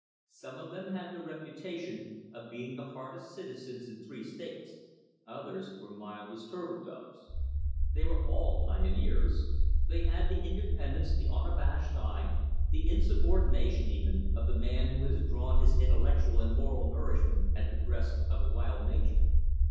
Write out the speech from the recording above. Some of them had the reputation of being the hardest citizens in three States, others were mild as turtle doves. They were all pioneers. They had the independence, the unabashed eye, the insubordination even, of the man who has drawn his intellectual and moral nourishment at the breast of a wild nature.